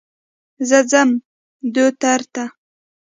زه ځم دوتر ته.